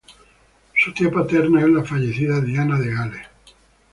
Su tía paterna es la fallecida Diana de Gales.